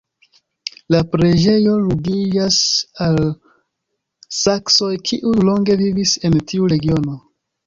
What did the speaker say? La preĝejo ligiĝas al saksoj, kiuj longe vivis en tiu regiono.